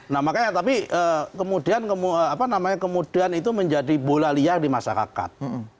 nah makanya tapi kemudian itu menjadi bola liar di masyarakat